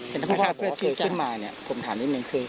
เป็นเพราะว่าบอกว่าเคยขึ้นมาเนี้ยผมถามนิดหนึ่งคือ